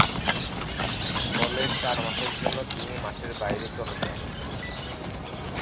ফলে চার মাসের জন্য তিনি মাঠের বাহিরে চলে যান।